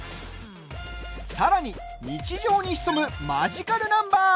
さらに日常に潜むマジカルナンバー！